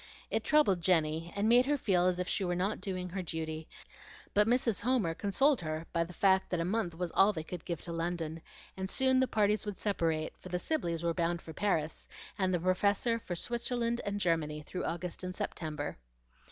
It troubled Jenny, and made her feel as if she were not doing her duty; but Mrs. Homer consoled her by the fact that a month was all they could give to London, and soon the parties would separate, for the Sibleys were bound for Paris, and the Professor for Switzerland and Germany, through August and September.